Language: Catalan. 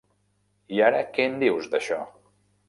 I ara què en dius d'això?